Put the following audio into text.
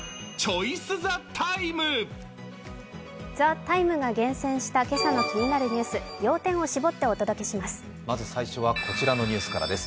「ＴＨＥＴＩＭＥ，」が厳選した今朝の気になるニュース、要点を絞ってお届けします。